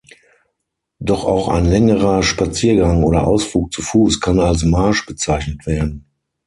Doch auch ein längerer Spaziergang oder Ausflug zu Fuß kann als Marsch bezeichnet werden.